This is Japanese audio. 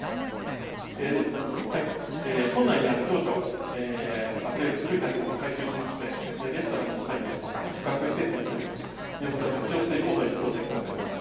古民家リゾート？村内にある情緒あふれる古い建物を改修しまして、レストランにしたりですとか、宿泊施設にしたりということで、活用していこうというプロジェクトになります。